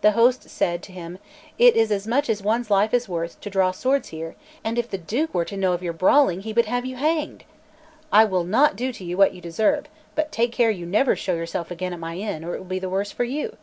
The host said to him: "It is as much as one's life is worth to draw swords here; and if the Duke were to know of your brawling, he would have you hanged. I will not do to you what you deserve; but take care you never show yourself again in my inn, or it will be the worse for you."